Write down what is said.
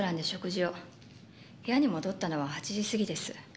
部屋に戻ったのは８時過ぎです。